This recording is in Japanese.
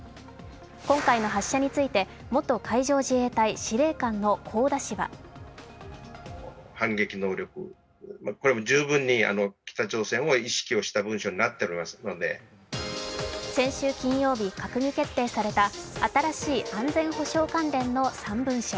今回の発射について元海上自衛隊司令官の香田氏は先週金曜日閣議決定された新しい安全保障関連の３文書。